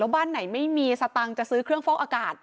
บ้านไหนไม่มีสตังค์จะซื้อเครื่องฟอกอากาศ